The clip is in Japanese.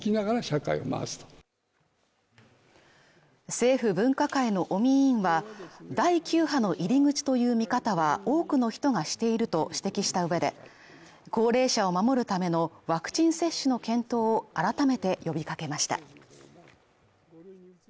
政府分科会の尾身委員は第９波の入口という見方は多くの人がしていると指摘した上で、高齢者を守るためのワクチン接種の検討を改めて呼びかけました。